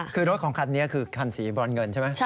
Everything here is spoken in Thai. คือรถของคันนี้คือคันสีบรอนเงินใช่ไหม